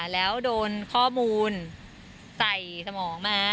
แล้วโดนข้อมูลใส่สมองมา